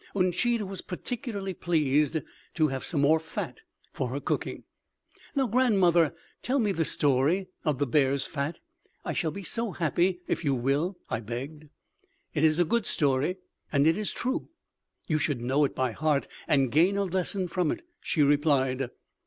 Uncheedah was particularly pleased to have some more fat for her cooking. "Now, grandmother, tell me the story of the bear's fat. I shall be so happy if you will," I begged. "It is a good story and it is true. You should know it by heart and gain a lesson from it," she replied.